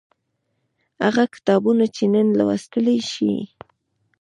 هغه کتابونه چې نن لوستلای شئ